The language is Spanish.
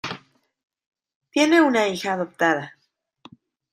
Tiene una hija adoptada.